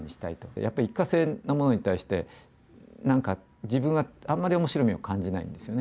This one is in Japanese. やっぱり一過性のものに対して何か自分はあんまり面白みを感じないんですよね。